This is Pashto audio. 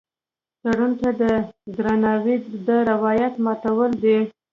تړون ته د درناوي د روایت ماتول دي.